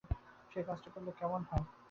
সেই কাজটি করলে কেমন হয়?